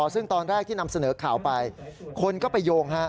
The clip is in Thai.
ซึ่งตอนแรกที่นำเสนอข่าวไปคนก็ไปโยง